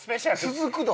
続くど？